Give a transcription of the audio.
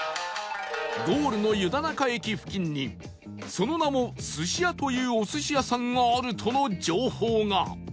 ゴールの湯田中駅付近にその名もスシヤというお寿司屋さんがあるとの情報が